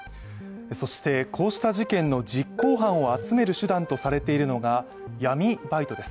そして、こうした事件の実行犯を集める手段とされているのが闇バイトです。